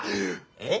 えっ？